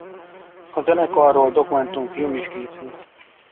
A zenekarról dokumentumfilm is készült.